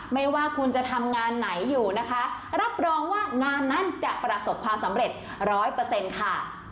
ไม่ว่าคุณจะทำงานไหนอยู่นะคะรับรองว่างานนั้นจะประสบความสำเร็จร้อยเปอร์เซ็นต์ค่ะ